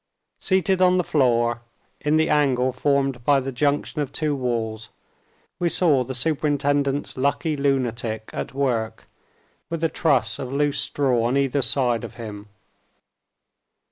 Seated on the floor, in the angle formed by the junction of two walls, we saw the superintendent's "lucky lunatic" at work, with a truss of loose straw on either side of him.